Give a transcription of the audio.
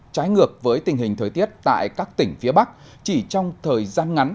trái ngược với tình hình thời tiết tại các tỉnh phía bắc chỉ trong thời gian ngắn